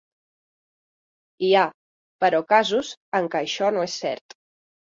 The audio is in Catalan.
Hi ha, però, casos en què això no és cert.